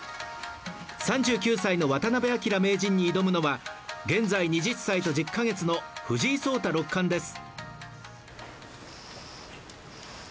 ３９歳の渡辺明名人に挑むのは現在２０歳と１０か月の藤井聡太六冠です。